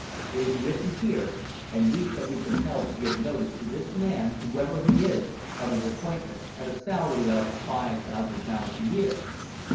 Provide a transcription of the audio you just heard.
"It is written here, and we shall be compelled to give notice to this man, whoever he is, of his appointment at a salary of five thousand pounds a year."